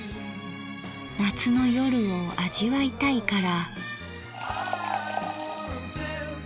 夏の夜を味わいたいから。